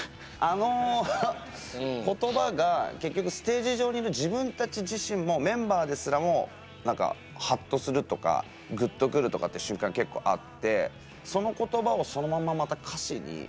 あの言葉が結局ステージ上にいる自分たち自身もメンバーですらもなんかハッとするとかグッとくるとかって瞬間結構あってその言葉をそのまんままた歌詞に。